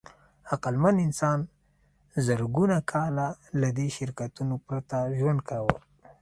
عقلمن انسان زرګونه کاله له دې شرکتونو پرته ژوند کاوه.